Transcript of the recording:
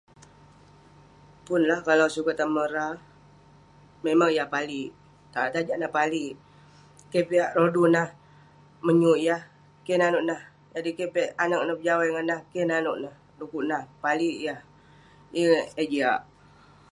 Pun lah kalau suket tamen Ra. Memang yah palik, ta-tajak neh palik. Keh piak rodu nah menyuk yah, keh nanouk nah. Jadi keh piak anag nah pejawai ngan nah, keh nanouk neh. Dekuk nah palik yah. Yeng eh jiak.